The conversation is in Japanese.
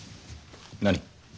何？